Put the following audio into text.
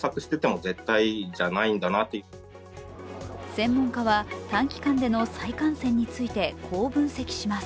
専門家は短期間での再感染について、こう分析します。